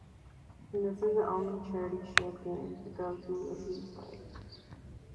This is the only Charity Shield game to go to a replay.